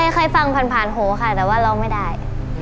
เคยฟังผ่านโหค่ะแต่ว่าร้องไม่ได้